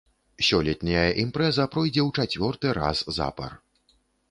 Сёлетняя імпрэза пройдзе ў чацвёрты раз запар.